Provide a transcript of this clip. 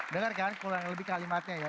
dengarkan kurang lebih kalimatnya ya